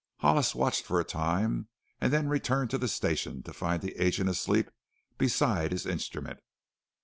Hollis watched for a time and then returned to the station to find the agent asleep beside his instrument.